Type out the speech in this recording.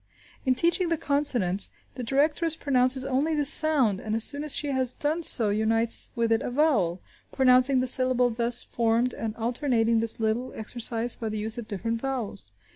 In teaching the consonants, the directress pronounces only the sound, and as soon as she has done so unites with it a vowel, pronouncing the syllable thus formed and alternating this little exercise by the use of different vowels.